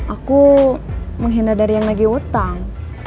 aku menghindar dari yang lagi utang